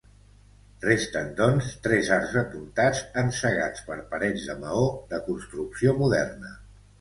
Resten, doncs, tres arcs apuntats, encegats per parets de maó de construcció moderna.